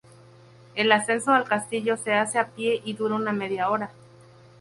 El ascenso al castillo se hace a pie y dura una media hora.